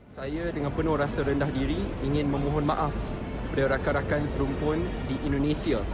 saya dengan penuh rasa rendah diri ingin memohon maaf dari rakan rakan serumpun di indonesia